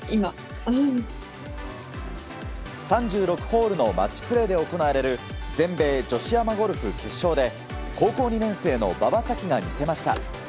３６ホールのマッチプレーで行われる全米女子アマゴルフ決勝で高校２年生の馬場咲希が魅せました。